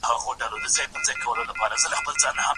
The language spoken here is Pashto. املا د پښتو ژبي د کلتور په ساتلو کي مرسته کوي.